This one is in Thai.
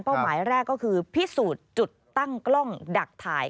หมายแรกก็คือพิสูจน์จุดตั้งกล้องดักถ่าย